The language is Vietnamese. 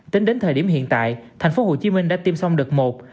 tính đến thời điểm hiện tại thành phố hồ chí minh đã tiêm xong đợt một